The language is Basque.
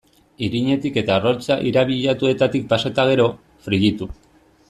Irinetik eta arrautza irabiatuetatik pasatu eta gero, frijitu.